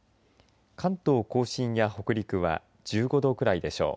関東甲信や北陸は１５度くらいでしょう。